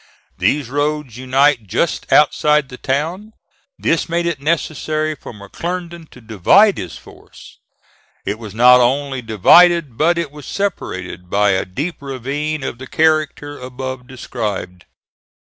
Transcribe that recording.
These roads unite just outside the town. This made it necessary for McClernand to divide his force. It was not only divided, but it was separated by a deep ravine of the character above described.